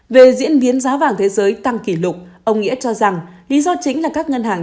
về diễn biến giá vàng thế giới tăng kỷ lục ông nghĩa cho rằng lý do chính là các ngân hàng